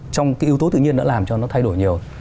trong cái yếu tố tự nhiên đã làm cho nó thay đổi nhiều